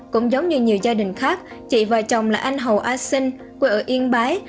cũng giống như nhiều gia đình khác chị và chồng là anh hầu a sinh quê ở yên bái